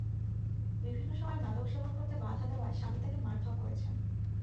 বিভিন্ন সময় মাদক সেবন করতে বাধা দেওয়ায় স্বামী তাঁকে মারধর করেছেন।